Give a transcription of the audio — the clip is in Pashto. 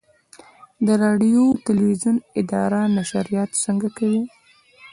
د راډیو تلویزیون اداره نشرات څنګه کوي؟